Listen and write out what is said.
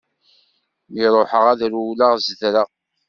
Mi ruḥeɣ ad rewleɣ zedreɣ.